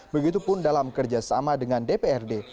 begitupun dalam kerjasama dengan dprd